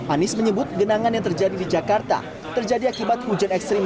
anies menyebut genangan yang terjadi di jakarta terjadi akibat hujan ekstrim